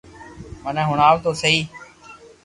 مني ھڻاو تو سھي